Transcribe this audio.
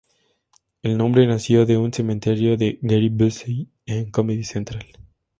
El nombre nació de un comentario de Gary Busey en Comedy Central.